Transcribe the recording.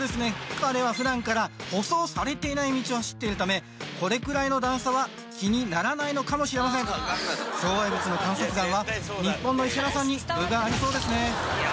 彼は普段から舗装されていない道を走っているためこれくらいの段差は気にならないのかもしれません障害物の観察眼は日本の石原さんに分がありそうですねいや